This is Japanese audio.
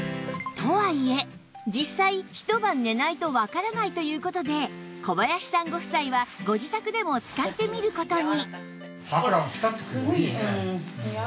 とはいえ実際一晩寝ないとわからないという事で小林さんご夫妻はご自宅でも使ってみる事に